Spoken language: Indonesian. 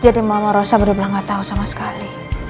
jadi mama rosa bener bener gak tau sama sekali